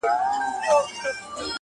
د لېوني د ژوند سُر پر یو تال نه راځي.